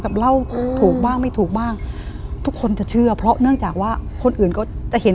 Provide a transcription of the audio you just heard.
เล่าถูกบ้างไม่ถูกบ้างทุกคนจะเชื่อเพราะเนื่องจากว่าคนอื่นก็จะเห็น